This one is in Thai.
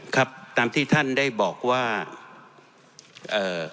ครับตามที่ท่านได้บอกว่าเอ่อ